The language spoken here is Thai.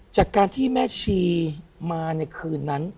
จากการที่แม่ชีมาในคืนนั้น